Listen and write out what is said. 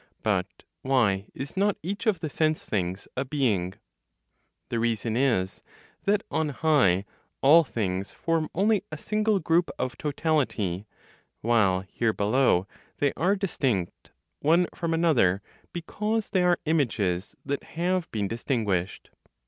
But why is not each of the sense things a being? The reason is, that on high all things form only a single group of totality, while here below they are distinct one from another because they are images that have been distinguished.